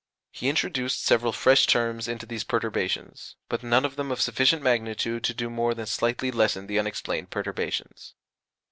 He introduced several fresh terms into these perturbations, but none of them of sufficient magnitude to do more than slightly lessen the unexplained perturbations.